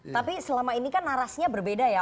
tapi selama ini kan narasnya berbeda ya